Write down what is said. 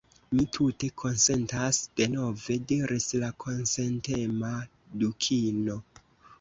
"Mi tute konsentas," denove diris la konsentema Dukino. "